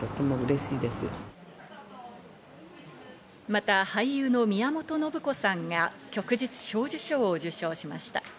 また、俳優の宮本信子さんが旭日小綬章を受章しました。